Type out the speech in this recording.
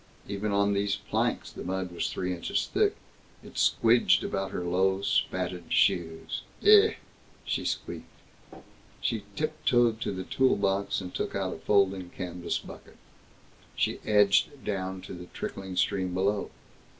Even on these planks, the mud was three inches thick. It squidged about her low, spatted shoes. "Eeh!" she squeaked. She tiptoed to the tool box and took out a folding canvas bucket. She edged down to the trickling stream below.